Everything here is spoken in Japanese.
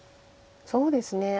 そうですね。